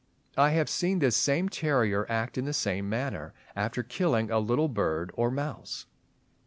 I have seen this same terrier act in the same manner after killing a little bird or mouse.